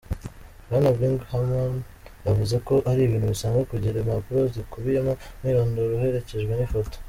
Bwana Birmingham yavuze ko ari ibintu bisanzwe kugira impapuro zikubiyemo umwirondoro uherecyejwe n'ifoto.